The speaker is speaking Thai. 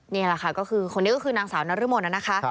นี่แหละค่ะก็คือคนนี้ก็คือนางสาวนรมนนะคะ